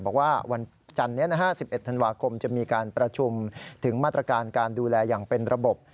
บอกว่าวันจันนี้๑๑ธันวาคมจะมีการประชุมถึงมาตรการการดูแลอย่างเป็นระบบ